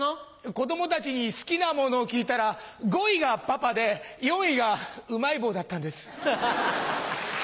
子供たちに好きなものを聞いたら５位がパパで４位がうまい棒だったんです。